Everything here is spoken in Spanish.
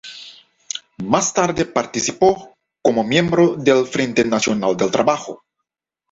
Más tarde participó como miembro del Frente Nacional del Trabajo.